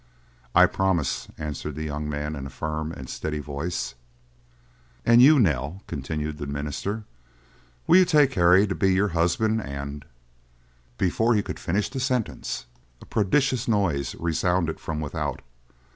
"I promise," answered the young man in a firm and steady voice. "And you, Nell," continued the minister, "will you take Harry to be your husband, and—" Before he could finish the sentence, a prodigious noise resounded from without.